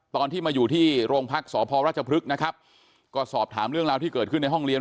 ตอนที่มาอยู่ที่โรงพักษพราชพฤกษ์นะครับก็สอบถามเรื่องราวที่เกิดขึ้นในห้องเรียน